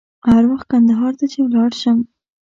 هر وخت کندهار ته چې ولاړ شم.